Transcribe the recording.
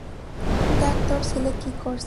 দেখ তোর ছেলে কী করেছে!